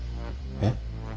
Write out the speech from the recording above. えっ？